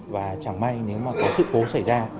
và chẳng may nếu có sự phố xảy ra